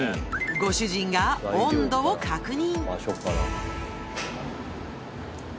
ご主人が温度を確認